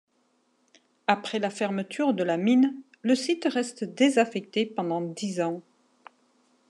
Après la fermeture de la mine, le site reste désaffecté pendant dix ans.